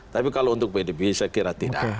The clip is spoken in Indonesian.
tapi kalau untuk pdb saya kira tidak